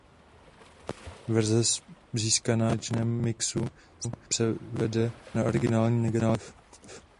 Verze získaná po konečném mixu se pak převede na originální negativ.